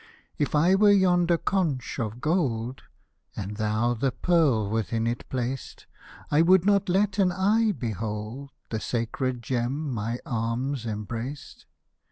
If I were yonder conch of gold, And thou the pearl within it placed, I would not let an eye behold The sacred gem my arms embraced.